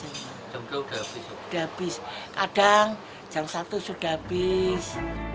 sudah habis kadang jam satu sudah habis